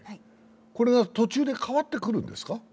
これが途中で変わってくるんですか？